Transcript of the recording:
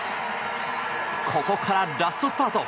ここから、ラストスパート！